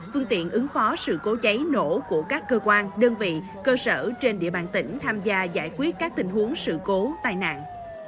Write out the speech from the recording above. phương tiện ứng phó sự cố cháy nổ của các cơ quan đơn vị cơ sở trên địa bàn tỉnh tham gia giải quyết các tình huống sự cố tai nạn